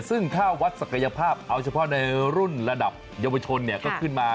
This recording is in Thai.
ซึ่งถ้าวัดศักยภาพเอาเฉพาะในรุ่นระดับเยาวชนก็ขึ้นมา